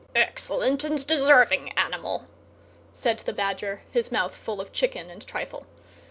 "Excellent and deserving animal!" said the Badger, his mouth full of chicken and trifle.